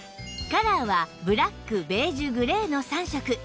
カラーはブラックベージュグレーの３色